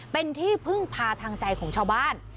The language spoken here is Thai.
เป็นที่พึ่งพาทางใจของชาวบ้าน